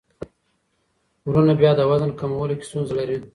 وروڼه بیا د وزن کمولو کې ستونزه لري.